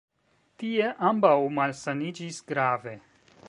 Tie ambaŭ malsaniĝis grave.